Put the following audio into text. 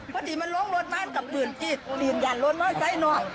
พอดีมันลงรถมากับดื่นจีดดื่นยันรถน้อยใส่นอก